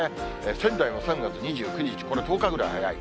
仙台も３月２９日、これ、１０日ぐらい早い。